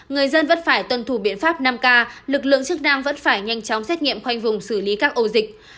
người dân vẫn phải tuân thủ biện pháp năm k lực lượng chức năng vẫn phải nhanh chóng xét nghiệm khoanh vùng xử lý các ổ dịch